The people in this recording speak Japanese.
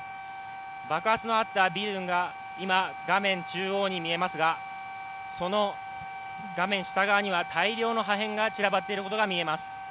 爆発のあったビルが今、画面中央に見えますがその画面下側には大量の破片が散らばっていることが見えます。